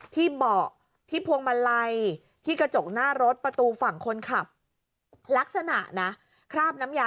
เบาะที่พวงมาลัยที่กระจกหน้ารถประตูฝั่งคนขับลักษณะนะคราบน้ำยา